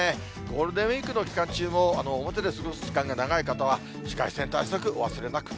ゴールデンウィークの期間中も、表で過ごす時間が長い方は、紫外線対策、お忘れなく。